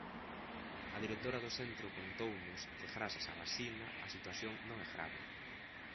A directora do centro contounos que, grazas á vacina, a situación non é grave.